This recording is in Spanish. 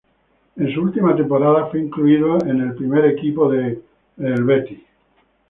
En su última temporada fue incluido en el primer equipo del All-American.